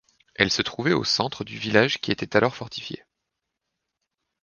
Elle se trouvait au centre du village qui était alors fortifié.